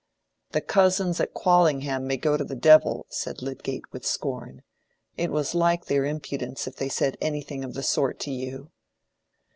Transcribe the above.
"The cousins at Quallingham may go to the devil!" said Lydgate, with scorn. "It was like their impudence if they said anything of the sort to you."